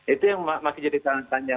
itu yang masih jadi tanda tanya